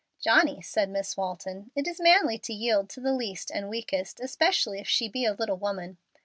"Johnny," said Miss Walton, "it is manly to yield to the least and weakest, especially if she be a little woman."